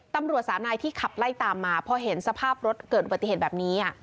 ตำรวจสามนายที่ขับไล่ตามมาพอเห็นสภาพรถเกิดอุบัติเหตุแบบนี้